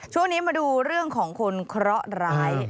ช่วงนี้มาดูเรื่องของคนเคราะห์ร้าย